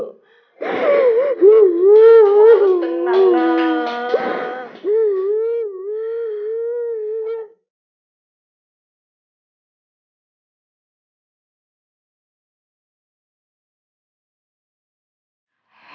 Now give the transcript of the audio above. kamu harus tenang nak